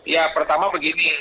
ya pertama begini